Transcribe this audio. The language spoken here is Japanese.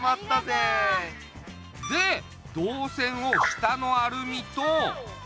でどうせんを下のアルミと。